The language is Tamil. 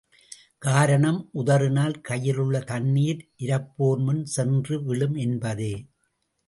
காரணம், உதறினால் கையிலுள்ள தண்ணீர் இரப்போர்முன் சென்றுவிழும் என்பதே.